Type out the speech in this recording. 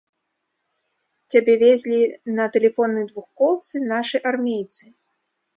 Цябе везлі на тэлефоннай двухколцы нашы армейцы.